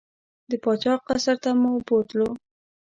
د پاچا قصر ته مو بوتلو.